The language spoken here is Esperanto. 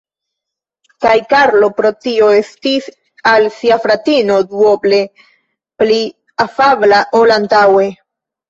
Kaj Karlo pro tio estis al sia fratino duoble pli afabla ol antaŭe.